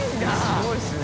すごいですね。